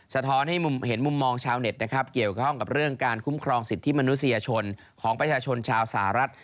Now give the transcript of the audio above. สะท้อนให้เห็นมุมมองชาวเน็ตนะครับเกี่ยวข้องกับเรื่องการคุ้มครองสิทธิมนุษยชนของประชาชนชาวสหรัฐ